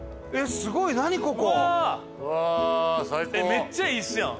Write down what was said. めっちゃいいですやん！